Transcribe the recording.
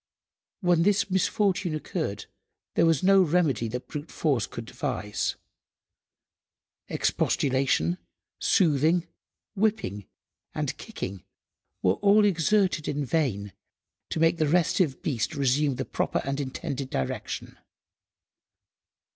When this misfortune occurred there was no remedy that brute–force could devise. Expostulation, soothing, whipping, and kicking, were all exerted in vain to make the restive beast resume the proper and intended direction.